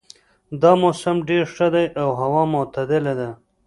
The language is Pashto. دا موسم ډېر ښه ده او هوا معتدله ده